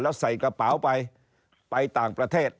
แล้วใส่กระเป๋าไปไปต่างประเทศ